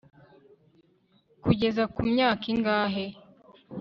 kugeza ku myaka ingahe